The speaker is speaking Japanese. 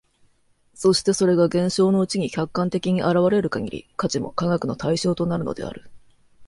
そしてそれが現象のうちに客観的に現れる限り、価値も科学の対象となるのである。